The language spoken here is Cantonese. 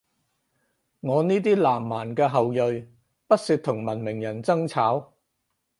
我呢啲南蠻嘅後裔，不屑同文明人爭吵